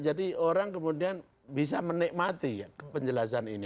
jadi orang kemudian bisa menikmati penjelasan ini